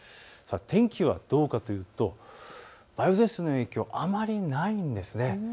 天気はどうかというと梅雨前線の影響はあまりないんです。